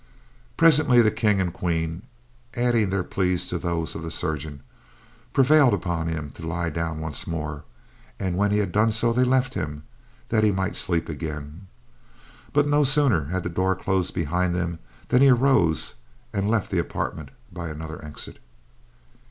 Presently the King and Queen, adding their pleas to those of the chirurgeon, prevailed upon him to lie down once more, and when he had done so they left him, that he might sleep again; but no sooner had the door closed behind them than he arose and left the apartment by another exit.